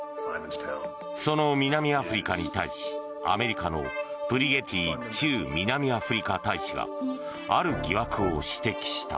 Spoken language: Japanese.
その南アフリカに対しアメリカのブリゲティ駐南アフリカ大使がある疑惑を指摘した。